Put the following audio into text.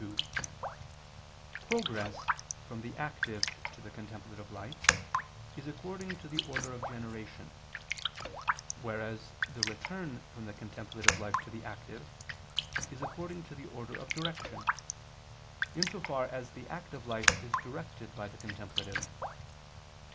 2: Progress from the active to the contemplative life is according to the order of generation; whereas the return from the contemplative life to the active is according to the order of direction, in so far as the active life is directed by the contemplative.